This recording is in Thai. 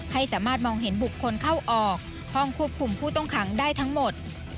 ให้สามารถมองเห็นบุคคลเข้าออกห้องควบคุมผู้ต้องขังได้ทั้งหมด